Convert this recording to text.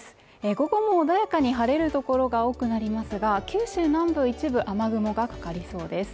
午後も穏やかに晴れるところが多くなりますが九州南部一部雨雲がかかりそうです。